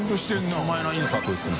一丁前なインサートですね。